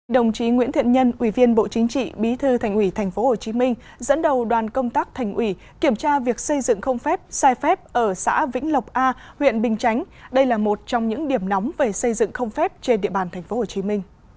đồng chí nguyễn thiện nhân ủy viên bộ chính trị bí thư thành ủy tp hcm dẫn đầu đoàn công tác thành ủy kiểm tra việc xây dựng không phép sai phép ở xã vĩnh lộc a huyện bình chánh đây là một trong những điểm nóng về xây dựng không phép trên địa bàn tp hcm